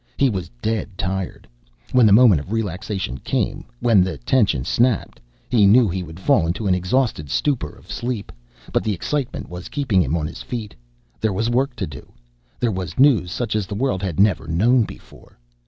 He was dead tired. When the moment of relaxation came, when the tension snapped, he knew he would fall into an exhausted stupor of sleep, but the excitement was keeping him on his feet. There was work to do. There was news such as the world had never known before.